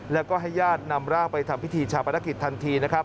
แล้วก็ให้ญาตินำร่างไปทำพิธีชาวประนักศิลป์ทันที